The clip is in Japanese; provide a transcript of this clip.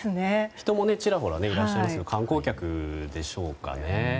人もちらほらいらっしゃいますけど観光客でしょうかね。